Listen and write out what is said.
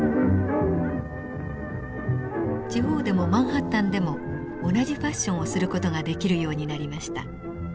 地方でもマンハッタンでも同じファッションをする事ができるようになりました。